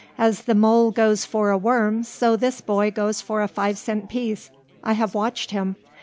As the mole goes for a worm so this boy goes for a five cent piece. I have watched him.